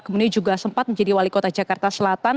kemudian juga sempat menjadi wali kota jakarta selatan